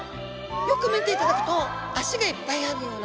よく見ていただくと脚がいっぱいあるような。